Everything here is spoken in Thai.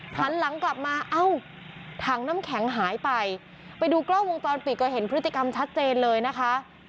หันหลังกลับมาเอ้าถังน้ำแข็งหายไปไปดูกล้องวงจรปิดก็เห็นพฤติกรรมชัดเจนเลยนะคะ